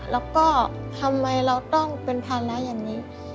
แล้วก็ทำไมเราต้องเป็นภาระอย่างนี้